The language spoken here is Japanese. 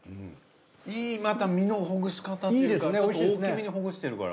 いいまた身のほぐし方っていうかちょっと大き目にほぐしてるから。